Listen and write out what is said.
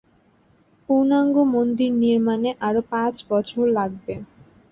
পূর্ণাঙ্গ মন্দির নির্মাণে আরও পাঁচ বছর লাগবে।